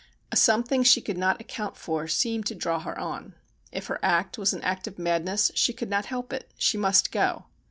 A something she could not account for seemed to draw her on. If her act was an act of madness she could not help it. She must go.